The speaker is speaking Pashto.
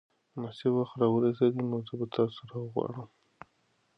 که مناسب وخت را ورسېږي نو زه به تاسو راوغواړم.